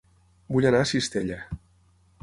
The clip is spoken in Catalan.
Vull anar a Cistella